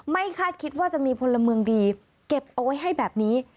คาดคิดว่าจะมีพลเมืองดีเก็บเอาไว้ให้แบบนี้